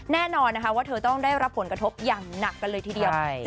แน่นอนนะคะว่าเธอต้องได้รับผลกระทบอย่างหนักกันเลยทีเดียว